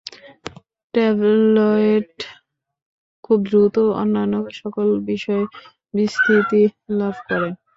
Tabloid খুব দ্রুত অন্যান্য সকল বিষয়েও বিস্তৃতি লাভ করে।